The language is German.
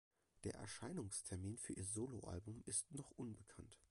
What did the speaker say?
Der Erscheinungstermin für ihr Solo-Album ist noch unbekannt.